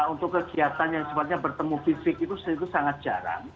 untuk kegiatan yang sempatnya bertemu fisik itu sangat jarang